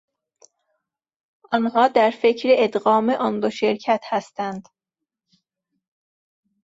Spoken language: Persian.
آنها در فکر ادغام آن دو شرکت هستند.